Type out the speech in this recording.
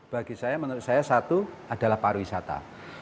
bagi saya menurut saya satu adalah pariwisata